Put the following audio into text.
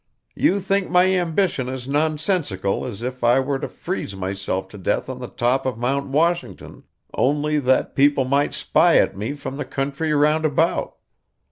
'You think my ambition as nonsensical as if I were to freeze myself to death on the top of Mount Washington, only that people might spy at me from the country round about.